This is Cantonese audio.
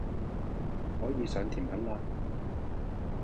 可以上甜品喇